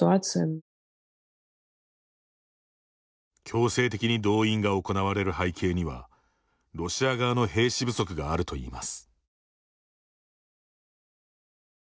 強制的に動員が行われる背景にはロシア側の兵士不足があるといいます。